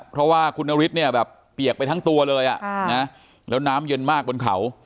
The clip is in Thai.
เพราะว่าคุณนฤทธิ์เนี่ยแบบเปียกไปทั้งตัวเลยแล้วน้ำเย็นมากบนเขา